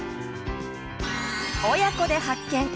「親子で発見！